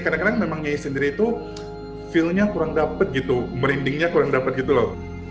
kadang kadang memang yey sendiri itu feelnya kurang dapet gitu merindingnya kurang dapat gitu loh